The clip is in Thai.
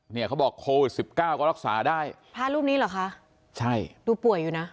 เนี่ยเขาบอกโควิดสิบเก้าก็รักษาได้พระรูปนี้เหรอคะใช่ดูป่วยอยู่น่ะ